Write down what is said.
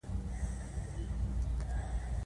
روغبړ يې راسره کاوه.